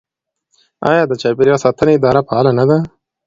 آیا د چاپیریال ساتنې اداره فعاله نه ده؟